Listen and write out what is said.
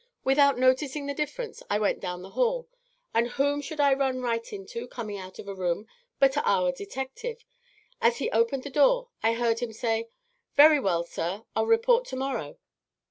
Without noticing the difference, I went down the hall, and whom should I run right into, coming out of a room, but our detective! As he opened the door I heard him say, 'Very well, sir, I'll report to morrow.'"